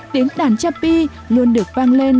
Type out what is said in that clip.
tiếng đàn cha pi luôn được vang lên